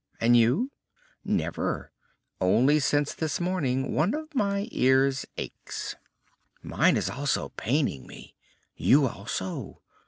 And you?" "Never. Only since this morning one of my ears aches." "Mine is also paining me." "You also?